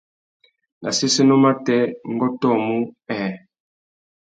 Nà séssénô matê, ngu ôtōmú nhêê.